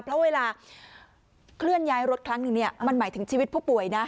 เพราะเวลาเคลื่อนย้ายรถครั้งหนึ่งเนี่ยมันหมายถึงชีวิตผู้ป่วยนะ